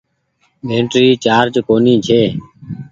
بيٽري چآرج ڪونيٚ ڇي۔